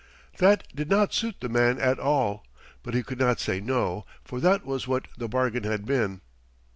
That did not suit the man at all, but he could not say no, for that was what the bargain had been.